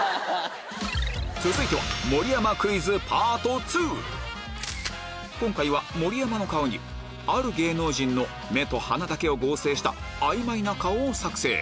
続いては今回は盛山の顔にある芸能人の目と鼻だけを合成したあいまいな顔を作成